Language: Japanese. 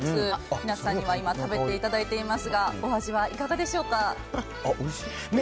皆さんには今、食べていただいていますが、お味はいかがでしょうおいし。